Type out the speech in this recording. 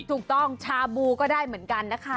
ชาบูก็ได้เหมือนกันนะคะ